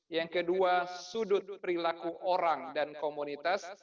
yang kedua sudut perilaku orang dan komunitas